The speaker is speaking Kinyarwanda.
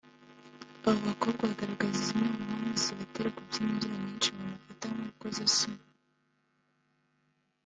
Abo bakobwa bagaragaza ko zimwe mu mpamvu zibatera kubyina imbyino nyinshi abantu bafata nk’urukozasoni